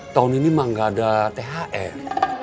tahun ini memang nggak ada thr